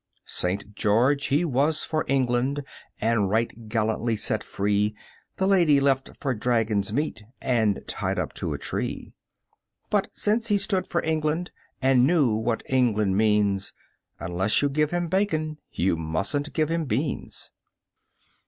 St. George he was for England, And right gallantly set free The lady left for dragon's meat And tied up to a tree; But since he stood for England And knew what England means, Unless you give him bacon You mustn't give him beans.